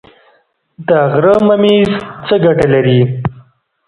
د غره ممیز څه ګټه لري؟